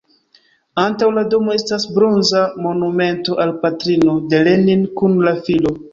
Antaŭ la domo estas bronza monumento al patrino de Lenin kun la filo.